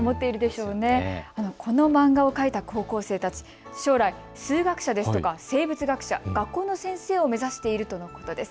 この漫画を描いた高校生たち、将来、数学者ですとか生物学者、学校の先生を目指しているとのことです。